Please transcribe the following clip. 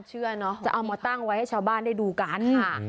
จะเอามาตั้งไว้ให้ชาวบ้านได้ดูกันค่ะ